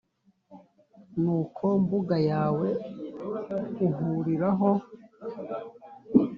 No ku mbuga yawe uhuriraho